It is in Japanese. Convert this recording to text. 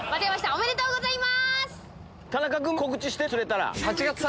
おめでとうございます。